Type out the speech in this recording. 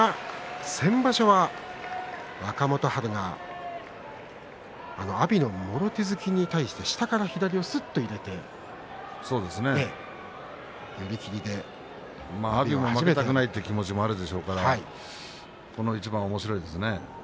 先場所は若元春が阿炎のもろ手突きに対して下から左をすっと入れて阿炎も負けたくないという気持ちがあるでしょうからこの一番おもしろいですね。